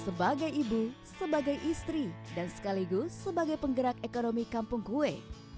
sebagai ibu sebagai istri dan sekaligus sebagai penggerak ekonomi kampung kue